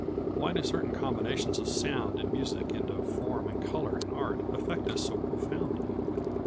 Why do certain combinations of sound in music and of form and colour in art affect us so profoundly?